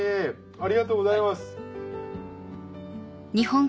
ありがとうございます。